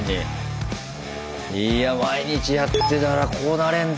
いや毎日やってたらこうなれんだ。